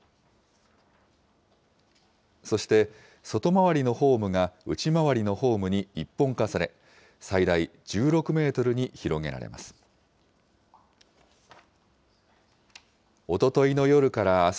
そして、外回りのホームが内回りのホームに一本化され、最大１６メートルに広げられます。